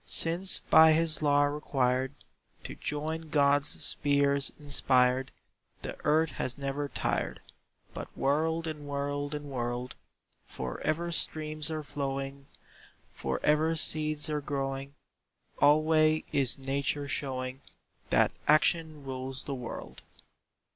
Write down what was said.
Since by his law required To join God's spheres inspired, The earth has never tired, But whirled and whirled and whirled. For ever streams are flowing, For ever seeds are growing, Alway is Nature showing That Action rules the world.